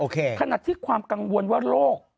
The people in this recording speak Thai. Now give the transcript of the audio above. ขนาดที่ความกังวลว่าโรค